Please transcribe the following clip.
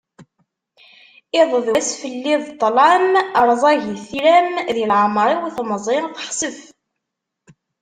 Iḍ d wass fell-i d ṭṭlam rzagit tiram, di leεmer-iw temẓi texsef.